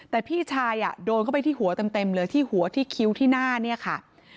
แต่พี่ชายโดนเข้าไปที่หัวเต็มเลยที่หัวที่คิ้วที่หน้าเนี่ยค่ะ